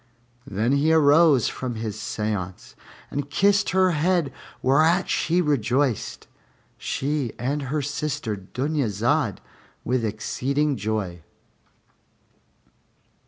Then he arose from his séance and kissed her head, whereat she rejoiced, she and her sister Dunyazad, with exceeding joy.